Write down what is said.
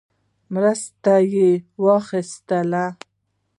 مرستې واخیستلې.